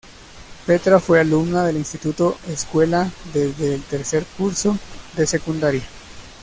Petra fue alumna del Instituto-Escuela desde el tercer curso de secundaria.